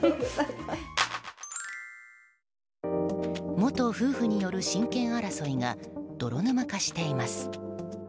元夫婦による親権争いが泥沼化しています。